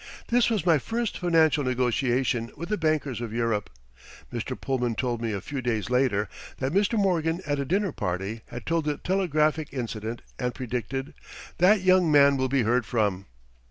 This was my first financial negotiation with the bankers of Europe. Mr. Pullman told me a few days later that Mr. Morgan at a dinner party had told the telegraphic incident and predicted, "That young man will be heard from."